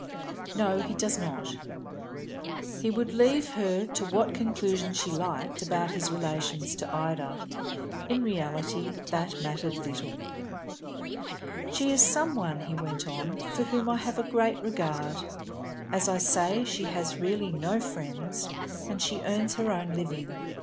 "No, he does not." He would leave her to what conclusion she liked about his relations to Ida; in reality that mattered little. "She is some one," he went on, "for whom I have a great regard. As I say, she has really no friends, and she earns her own living.